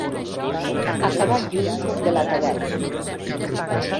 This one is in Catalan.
Acabar lluny de la taverna.